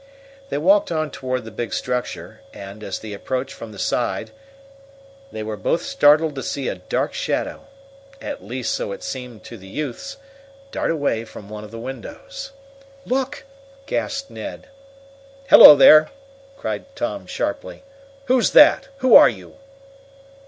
They walked on toward the big structure, and, as they approached from the side, they were both startled to see a dark shadow at least so it seemed to the youths dart away from one of the windows. "Look!" gasped Ned. "Hello, there!" cried Tom sharply. "Who's that? Who are you?"